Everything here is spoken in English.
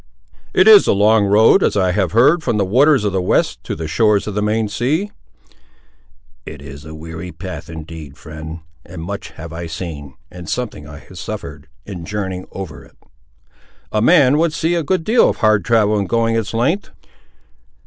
"It is a long road, as I have heard, from the waters of the west to the shores of the main sea?" "It is a weary path, indeed, friend; and much have I seen, and something have I suffered, in journeying over it." "A man would see a good deal of hard travel in going its length!"